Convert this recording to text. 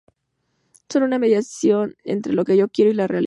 Son una mediación entre lo que yo quiero y la realidad.